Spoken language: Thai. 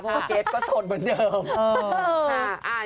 เพราะว่าเอ็สก็สดเหมือนเดิม